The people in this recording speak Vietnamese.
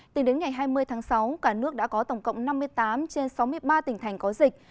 tính đến ngày hai mươi tháng sáu cả nước đã có tổng cộng năm mươi tám trên sáu mươi ba tỉnh thành có dịch